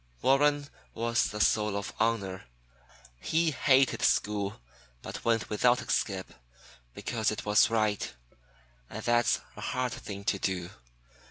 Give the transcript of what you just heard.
Warren was the soul of honor. He hated school, but went without a skip, because it was right. And that's a hard thing to do.